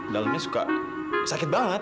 dalamnya suka sakit banget